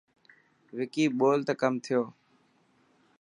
وڪي ٻولو ته ڪم ٿيو.